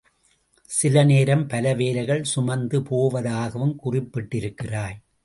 சில நேரம் பல வேலைகள் சுமந்து போவதாகவும் குறிப்பிட்டிருக்கிறாய்.